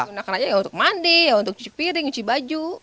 gunakan aja ya untuk mandi ya untuk cuci piring cuci baju